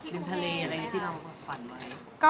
ริมทะเลอะไรอย่างนี้ที่เราฝันไว้